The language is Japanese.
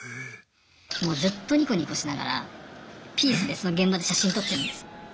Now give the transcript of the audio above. もうずっとにこにこしながらピースでその現場で写真撮ってるんですよ。